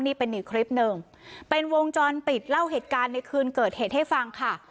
นี่เป็นอีกคลิปหนึ่งเป็นวงจรปิดเล่าเหตุการณ์ในคืนเกิดเหตุให้ฟังค่ะ